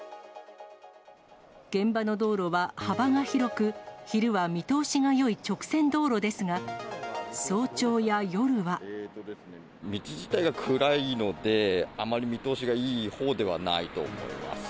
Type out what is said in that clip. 現場の道路は幅が広く、昼は見通しがよい直線道路ですが、早朝や道自体が暗いので、あまり見通しがいいほうではないと思います。